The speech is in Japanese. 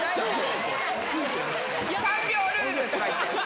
３秒ルールとか言って。